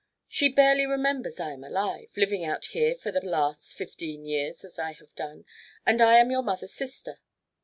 She barely remembers I am alive, living out here for the last fifteen years as I have done, and I am your mother's sister.